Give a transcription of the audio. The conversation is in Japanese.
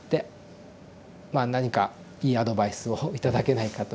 まあ何かいいアドバイスを頂けないかというですね